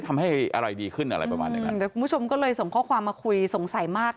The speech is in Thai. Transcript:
แต่คุณผู้ชมก็เลยส่งข้อความมาคุยสงสัยมาก